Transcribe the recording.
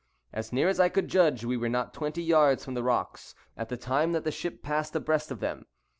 As near as I could judge, we were not twenty yards from the rocks, at the time that the ship passed abreast of them.